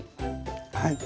はい。